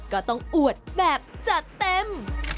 ก็ต้องอวดแบบจัดเต็ม